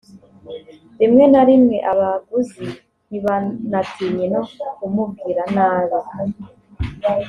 rimwe na rimwe abaguzi ntibanatinye no kumubwira nabi